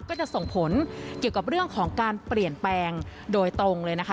ก็จะส่งผลเกี่ยวกับเรื่องของการเปลี่ยนแปลงโดยตรงเลยนะคะ